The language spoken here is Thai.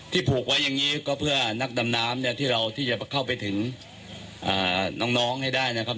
ผูกไว้อย่างนี้ก็เพื่อนักดำน้ำเนี่ยที่เราที่จะเข้าไปถึงน้องให้ได้นะครับ